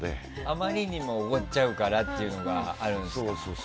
あまりにもおごっちゃうということがあるんですね。